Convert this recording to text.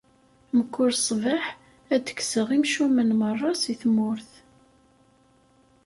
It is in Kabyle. Mkul ṣṣbeḥ, ad kkseɣ imcumen merra si tmurt.